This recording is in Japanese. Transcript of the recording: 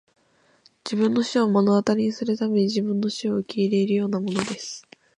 自分の死を目の当たりにするために自分の死を受け入れるようなものです!